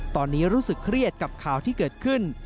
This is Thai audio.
ตอนนี้รู้สึกเครียดกับข่าวที่เกิดขึ้น